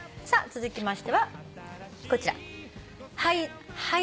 続きましてはこちら。